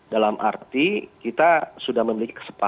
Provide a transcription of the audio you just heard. dalam arti kita sudah memiliki keseluruhan dan kita sudah memiliki keseluruhan